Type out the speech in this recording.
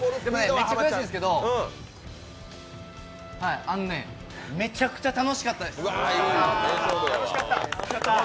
めっちゃ悔しいんですけどめちゃくちゃ楽しかったです。